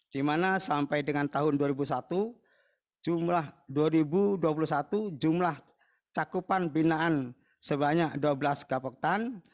dimana sampai dengan tahun dua ribu dua puluh satu jumlah cakupan binaan sebanyak dua belas kabupaten